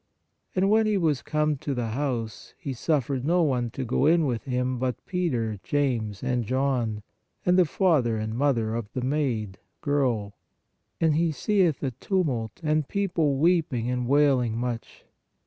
And when He was come to the house, He suffered no one to go in with Him but Peter, James and John, and the father and mother of the maid (girl) ; and He seeth a tumult and people weeping and wailing much.